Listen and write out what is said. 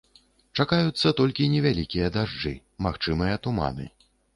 Чакаюцца толькі невялікія дажджы, магчымыя туманы.